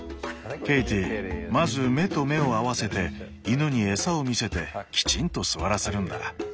ケイティまず目と目を合わせて犬に餌を見せてきちんと座らせるんだ。